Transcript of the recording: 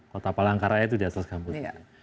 kota palangkaraya itu di atas gambut